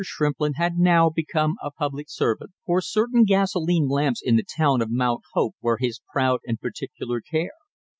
Shrimplin had now become a public servant, for certain gasolene lamps in the town of Mount Hope were his proud and particular care.